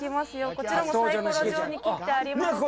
こちらもサイコロ状に切ってありまして。